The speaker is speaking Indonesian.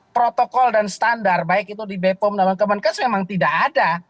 protokol dan standar baik itu di bepom dan kemenkes memang tidak ada